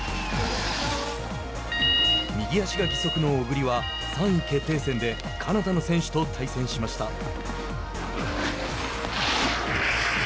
右足が義足の小栗は３位決定戦でカナダの選手と対戦しました。